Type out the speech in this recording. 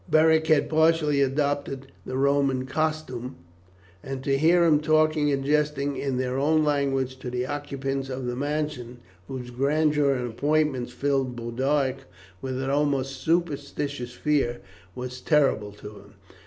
Beric had partially adopted the Roman costume, and to hear him talking and jesting in their own language to the occupants of the mansion, whose grandeur and appointments filled Boduoc with an almost superstitious fear, was terrible to him.